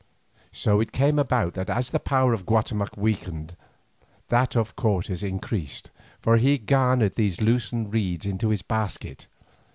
So it came about that as the power of Guatemoc weakened that of Cortes increased, for he garnered these loosened reeds into his basket.